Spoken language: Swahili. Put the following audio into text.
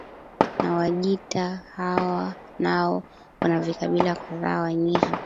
na Wajita hawa nao wana vikabila kadhaa Wanyiha